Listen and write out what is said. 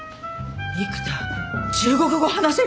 育田中国語話せるの？